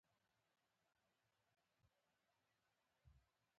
ورځ مو پر مثبتو مسايلو پيل کړئ!